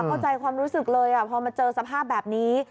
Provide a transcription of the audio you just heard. เข้าใจความรู้สึกเลยพอมาเจอสภาพแบบนี้